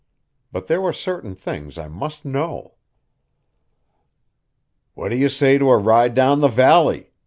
But there were certain things I must know. "What do you say to a ride down the valley?"